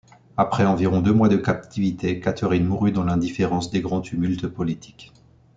Après environ deux mois de captivité, Catherine mourut, dans l'indifférence des grands tumultes politiques.